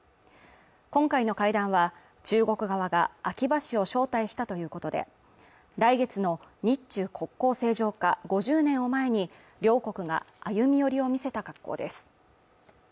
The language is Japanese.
今回の会談は中国側が秋葉氏を招待したということで来月の日中国交正常化５０年を前に両国が歩み寄りを見せた格好です